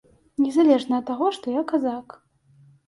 Незалежна ад таго, што я казак.